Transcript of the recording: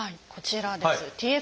こちらです。